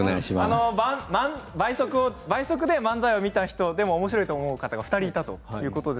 倍速で漫才を見た人でもおもしろいと思った方が２人いたということです。